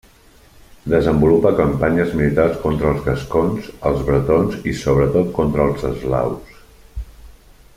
Desenvolupa campanyes militars contra els gascons, els bretons i, sobretot, contra els eslaus.